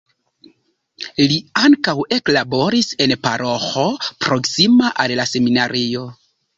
Li ankaŭ eklaboris en paroĥo proksima al la seminario.